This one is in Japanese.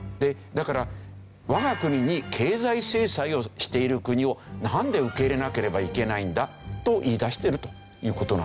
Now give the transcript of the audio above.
だから我が国に経済制裁をしている国をなんで受け入れなければいけないんだと言い出してるという事なんですよね。